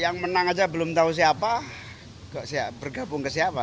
yang menang saja belum tahu siapa kok bergabung ke siapa